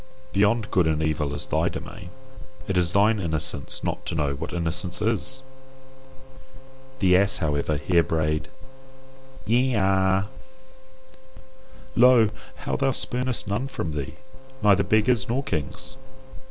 Beyond good and evil is thy domain. It is thine innocence not to know what innocence is. The ass, however, here brayed YE A. Lo! how thou spurnest none from thee, neither beggars nor kings.